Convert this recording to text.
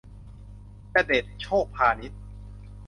จเด็ด โชคพานิชย์